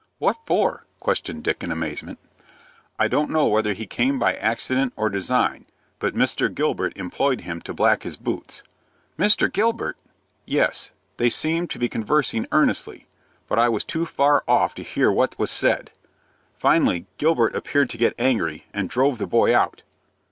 "What for?" questioned Dick, in amazement. "I don't know whether he came by accident or design; but Mr. Gilbert employed him to black his boots." "Mr. Gilbert!" "Yes. They seemed to be conversing earnestly; but I was too far off to hear what was said. Finally, Gilbert appeared to get angry, and drove the boy out."